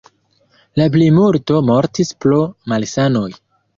La plimulto mortis pro malsanoj.